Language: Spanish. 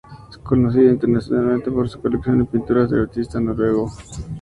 Es conocida internacionalmente por su colección de pinturas del artista noruego Edvard Munch.